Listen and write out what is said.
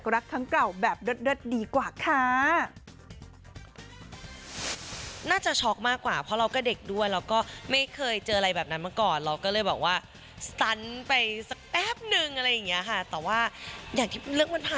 ระสุนต้องสนุนออกตัวจากรักทั้งเก่าแบบเร็ดดีกว่าค่ะ